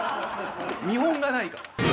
見本がないから。